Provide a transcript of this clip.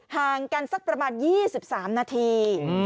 ห่างกันสักประมาณ๒๓นาที